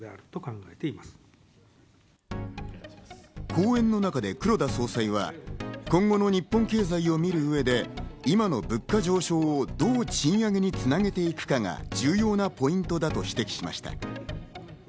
講演の中で黒田総裁は今後の日本の経済を見る上で今の物価上昇をどう賃上げにつなげていくかが重要なポイントだと指摘しました。